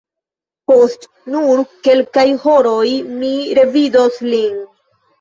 Post nur kelkaj horoj mi revidos lin!